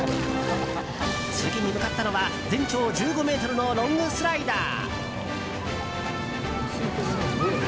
次に向かったのは全長１５ｍのロングスライダー。